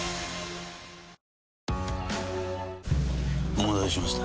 お待たせしました。